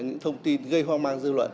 những thông tin gây hoang mang dư luận